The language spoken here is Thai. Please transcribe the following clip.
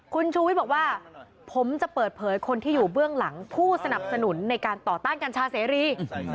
คุณชูวิทย์บอกว่าผมจะเปิดเผยคนที่อยู่เบื้องหลังผู้สนับสนุนในการต่อต้านกัญชาเสรี